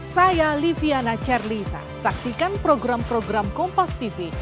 saya liviana cerlisa saksikan program program kompastv